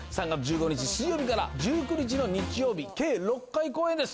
３月１５日水曜日から１９日の日曜日、計６回公演です。